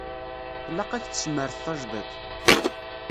Tlaq-ak tesmert tajdidt.